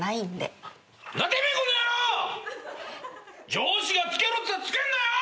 上司が付けろっつったら付けんだよ！